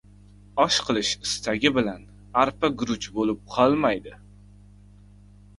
• Osh qilish istagi bilan arpa guruch bo‘lib qolmaydi.